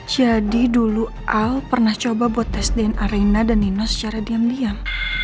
jadi dulu al pernah coba buat tes dna reina dan nino secara diam diam